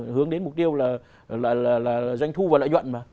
hướng đến mục tiêu là doanh thu và lợi nhuận mà